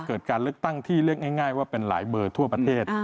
การเลือกตั้งที่เรียกง่ายว่าเป็นหลายเบอร์ทั่วประเทศ